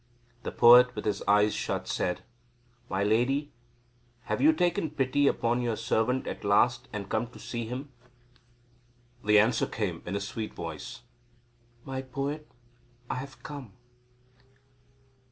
The poet, with his eyes shut, said; "My lady, have you taken pity upon your servant at last and come to see him?" The answer came in a sweet voice "My poet, I have come."